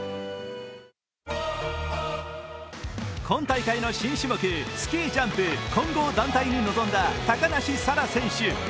今大会の新種目、スキージャンプ混合団体に臨んだ高梨沙羅選手。